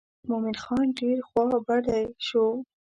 مومن خان ډېر خوا بډی شو.